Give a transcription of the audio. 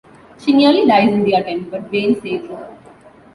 She nearly dies in the attempt, but Bane saves her.